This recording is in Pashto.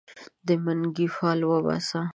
د منګې فال وباسه